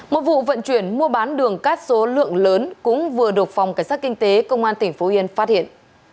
một vụ vận chuyển mua bán đường cát số lượng lớn cũng vừa độc phòng cảnh sát kinh tế công an tp hcm phát hiện